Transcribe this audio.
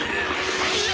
いや！